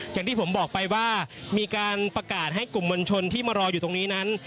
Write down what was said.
อย่างที่ผมบอกไปว่ามีการประกาศให้กลุ่มมวลชนที่มารออยู่ตรงนี้นั้น